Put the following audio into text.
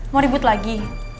mau ribut lagi